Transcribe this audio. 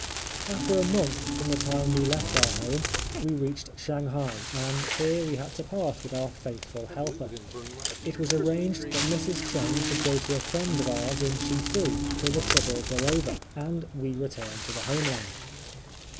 Almost a month from the time we left our home we reached Shanghai and here we had to part with our faithful helper. It was arranged that Mrs. Cheng should go to a friend of ours in Chefoo till the troubles were over, and we return to the Homeland.